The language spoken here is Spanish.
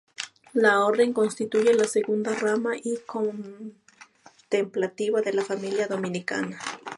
La Orden constituye la segunda rama y contemplativa de la familia dominica.